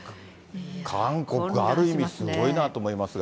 韓国ある意味、すごいなと思いますが。